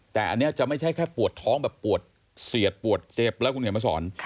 แต่อันนี้จะไม่ใช่แค่ปวดท้องแบบปวดเสียดปวดเจ็บแล้วคุณเขียนมาสอน